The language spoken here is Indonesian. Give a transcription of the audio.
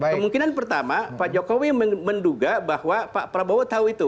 kemungkinan pertama pak jokowi menduga bahwa pak prabowo itu adalah unicorn